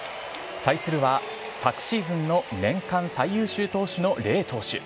対するは、昨シーズンの年間最優秀投手のレイ投手。